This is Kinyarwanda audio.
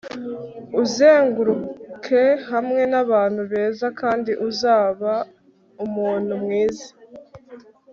uzenguruke hamwe n'abantu beza kandi uzaba umuntu mwiza